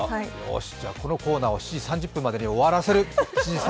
じゃこのコーナーを７時３０分までに終わらせる。